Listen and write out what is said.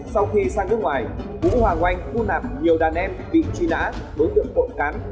sau khi sang nước ngoài vũ hoàng oanh phun nạp nhiều đàn em bị tri nát bớt được cộng cán